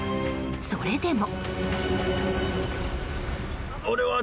それでも。